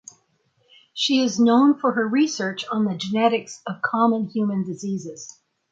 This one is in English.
She is known for her research on the genetics of common human diseases.